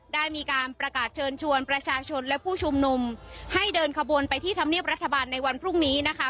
ได้มีการประกาศเชิญชวนประชาชนและผู้ชุมนุมให้เดินขบวนไปที่ธรรมเนียบรัฐบาลในวันพรุ่งนี้นะคะ